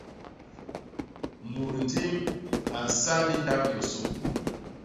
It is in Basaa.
Mut ndim a nsa ni ndap yosô.